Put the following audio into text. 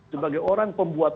sebagai orang pembuat